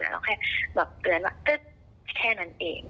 เราแค่แบบเตือนว่าแค่นั้นเอง